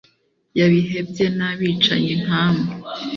y'abihebye n'abicanyi nka mwe